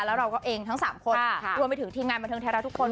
แล้วเราก็เองทั้ง๓คนรวมไปถึงทีมงานบันเทิงไทยรัฐทุกคน